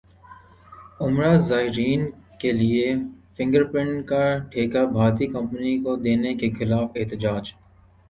عمرہ زائرین کیلئے فنگر پرنٹ کا ٹھیکہ بھارتی کمپنی کو دینے کیخلاف احتجاج